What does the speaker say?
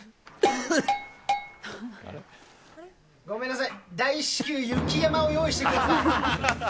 ごめんなさい、大至急、雪山を用意してください。